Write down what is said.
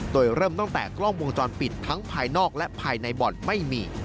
โดยเริ่มตั้งแต่กล้องวงจรปิดทั้งภายนอกและภายในบ่อนไม่มี